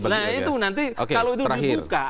nah itu nanti kalau itu dibuka